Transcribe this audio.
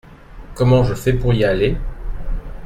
Comment je fais pour y aller ?